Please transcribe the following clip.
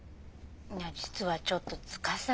実はちょっと司がね。